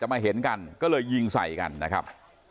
มาเห็นกันก็เลยยิงใส่กันนะครับ